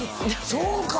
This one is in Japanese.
そうか。